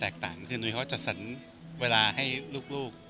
ต่างคือนุ้ยเขาจัดสรรเวลาให้ลูก